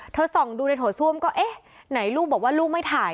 ส่องดูในโถส้วมก็เอ๊ะไหนลูกบอกว่าลูกไม่ถ่าย